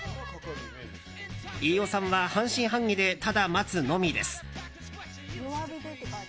飯尾さんは半信半疑でただ待つのみです。